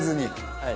はい。